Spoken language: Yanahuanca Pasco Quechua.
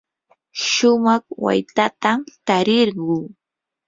shumaq waytatam tarirquu.